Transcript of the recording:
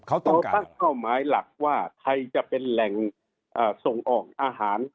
เขาตั้งเป้าหมายหลักว่าไทยจะเป็นแหล่งส่งออกอาหาร